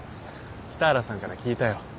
北原さんから聞いたよ。